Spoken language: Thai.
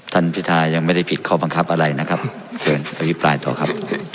พิทายังไม่ได้ผิดข้อบังคับอะไรนะครับเชิญอภิปรายต่อครับ